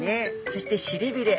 そしてしりびれ。